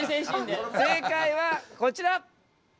正解はこちら。